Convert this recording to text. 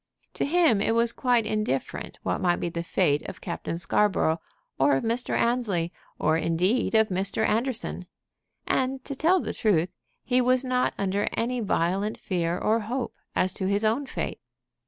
To him it was quite indifferent what might be the fate of Captain Scarborough, or of Mr. Annesley, or indeed of Mr. Anderson. And, to tell the truth, he was not under any violent fear or hope as to his own fate.